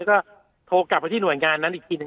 แล้วก็โทรกลับไปที่หน่วยงานนั้นอีกทีหนึ่ง